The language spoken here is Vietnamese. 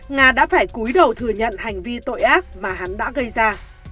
nga đã phải cúi đầu thừa nhận hành vi tội ác mà hắn đã gây ra